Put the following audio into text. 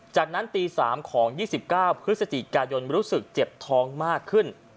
จากนั้นตี๓ของ๒๙พฤศจิกายนรู้สึกเจ็บท้องมากขึ้น